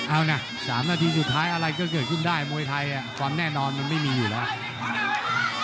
เอานะ๓นาทีสุดท้ายอะไรก็เกิดขึ้นได้มวยไทยความแน่นอนมันไม่มีอยู่แล้ว